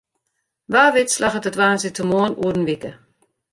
Wa wit slagget it woansdeitemoarn oer in wike.